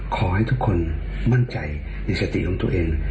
ขอให้ทุกคนมั่นใจในสติของตัวเอง